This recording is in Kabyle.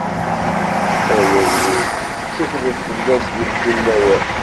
Ay agdud, tteklet fell-as di mkul lawan!